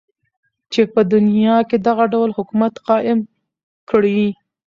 چی په دنیا کی دغه ډول حکومت قایم کړی.